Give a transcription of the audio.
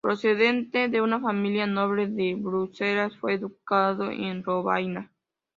Procedente de una familia noble de Bruselas, fue educado en Lovaina.